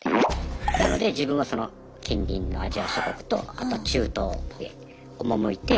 なので自分はその近隣のアジア諸国とあとは中東へ赴いて。